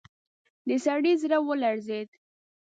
د سړي زړه ولړزېد.